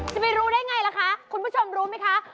จะไปรู้ได้ไงล่ะคะคุณผู้ชมรู้ไหมคะ